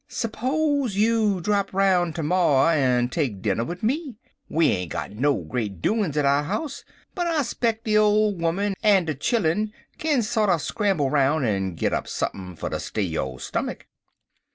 Spose'n you drap roun' ter morrer en take dinner wid me. We ain't got no great doin's at our house, but I speck de ole 'oman en de chilluns kin sorter scramble roun' en git up sump'n fer ter stay yo' stummick.'